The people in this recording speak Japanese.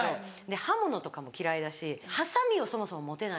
刃物とかも嫌いだしハサミをそもそも持てない。